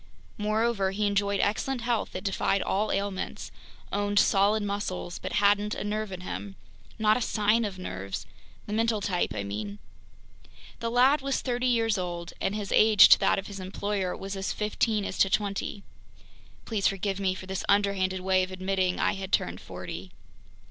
Moreover, he enjoyed excellent health that defied all ailments, owned solid muscles, but hadn't a nerve in him, not a sign of nerves—the mental type, I mean. The lad was thirty years old, and his age to that of his employer was as fifteen is to twenty. Please forgive me for this underhanded way of admitting I had turned forty.